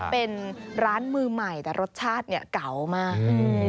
เป็นร้านมือใหม่แต่รสชาติเนี่ยเก่ามาก